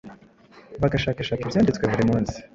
bagashakashaka Ibyanditswe buri munsi